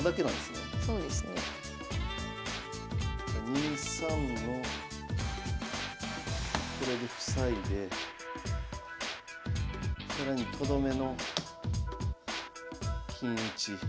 ２三のこれで塞いで更にとどめの金打ち。